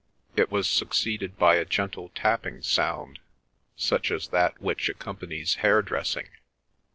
It was succeeded by a gentle tapping sound, such as that which accompanies hair dressing.